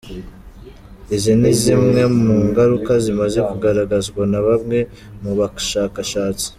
Izi ni zimwe mu ngaruka zimaze kugaragazwa na bamwe mu bashakashatsi.